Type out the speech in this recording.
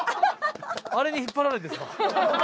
あれに引っ張られてさ。